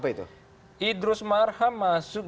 idrus marham masuk